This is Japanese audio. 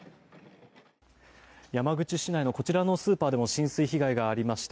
山口市内のこちらのスーパーでも浸水被害がありました。